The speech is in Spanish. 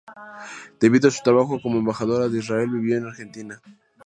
Debido a su trabajo como embajadora de Israel vivió en Argentina.